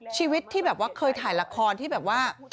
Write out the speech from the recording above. ชีวิตที่แบบว่าเคยถ่ายละครที่แบบว่า